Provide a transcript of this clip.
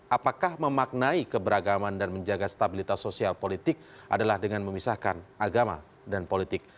apakah memaknai keberagaman dan menjaga stabilitas sosial politik adalah dengan memisahkan agama dan politik